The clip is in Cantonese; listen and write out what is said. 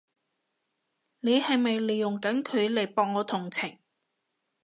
你係咪利用緊佢嚟博我同情？